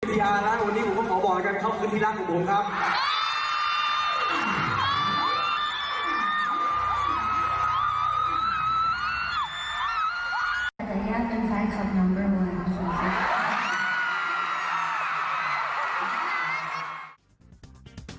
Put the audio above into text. และวันนี้ผมขอบอกละกันเข้าคุณที่รักของผมครับ